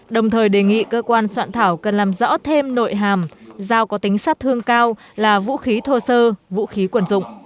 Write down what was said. đồng thời đề nghị cơ quan soạn thảo cần làm rõ thêm nội hàm giao có tính sát thương cao là vũ khí thô sơ vũ khí quần dụng